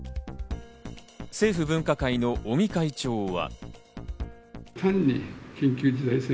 政府分科会の尾身会長は。